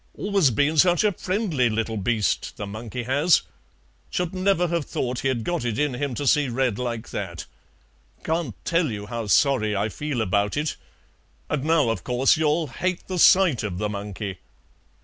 Always been such a friendly little beast, the monkey has, should never have thought he'd got it in him to see red like that. Can't tell you how sorry I feel about it, and now of course you'll hate the sight of the monkey."